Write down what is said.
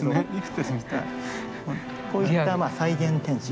こういった再現展示。